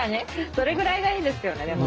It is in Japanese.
それぐらいがいいですよねでも。